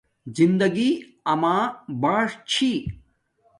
زندگی اما باݽ چھی